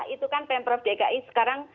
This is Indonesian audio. itu kan pemprov dki sekarang